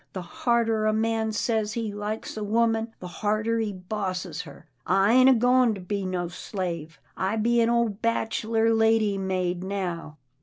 The harder a man says he Hkes a woman, the harder he bosses her. I ain't a goin' to be no slave. I be an ole bachelor lady maid now."